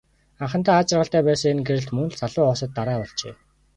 Анхандаа аз жаргалтай байсан энэ гэрлэлт мөн л залуу хосод дараа болжээ.